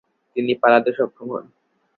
তিনি পালাতে সক্ষম হন।